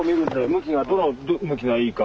向きがどの向きがいいか。